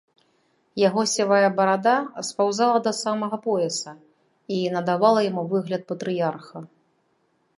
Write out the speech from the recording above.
Яго сівая барада спаўзала да самага пояса і надавала яму выгляд патрыярха.